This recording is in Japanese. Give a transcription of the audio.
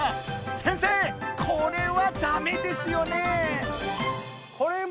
先生これはダメですよね？